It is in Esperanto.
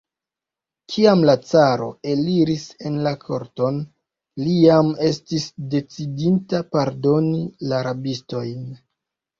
Kiam la caro eliris en la korton, li jam estis decidinta pardoni la rabistojn.